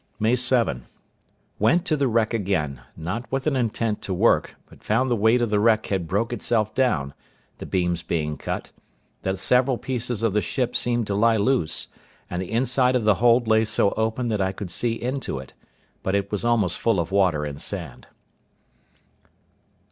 May 7.—Went to the wreck again, not with an intent to work, but found the weight of the wreck had broke itself down, the beams being cut; that several pieces of the ship seemed to lie loose, and the inside of the hold lay so open that I could see into it; but it was almost full of water and sand.